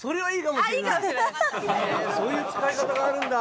そういう使い方があるんだ！